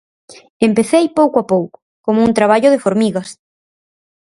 Empecei pouco a pouco, como un traballo de formigas.